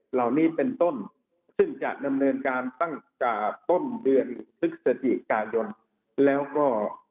เหล่านี้เป็นต้นซึ่งจะดำเนินการตั้งแต่ต้นเดือนพฤศจิกายนแล้วก็